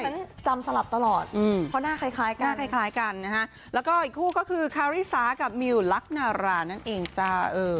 ฉันจำสลับตลอดเพราะหน้าคล้ายกันหน้าคล้ายกันนะฮะแล้วก็อีกคู่ก็คือคาริสากับมิวลักนารานั่นเองจ้า